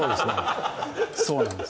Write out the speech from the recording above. そうなんです